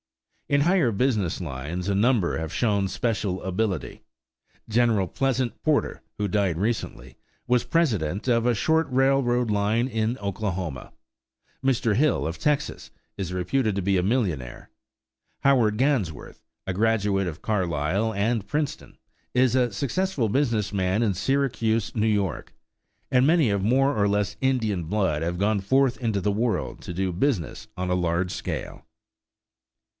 In higher business lines a number have shown special ability. General Pleasant Porter, who died recently, was president of a short railroad line in Oklahoma; Mr. Hill, of Texas, is reputed to be a millionaire; Howard Gansworth, a graduate of Carlisle and Princeton, is a successful business man in Syracuse, N. Y.; and many of more or less Indian blood have gone forth into the world to do business on a large scale.